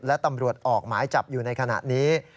และตำรวจออกหมายจับอยู่ในขณะนี้